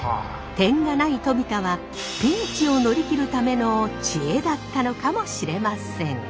点がない冨田はピンチを乗り切るための知恵だったのかもしれません。